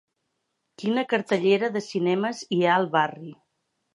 Quina cartellera de cinemes hi ha al barri